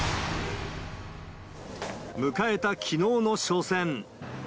迎えたきのうの初戦。